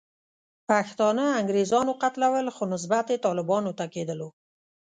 پښتانه انګریزانو قتلول، خو نسبیت یې طالبانو ته کېدلو.